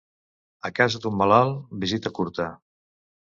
A casa d'un malalt, visita curta.